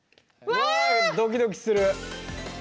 わあドキドキする。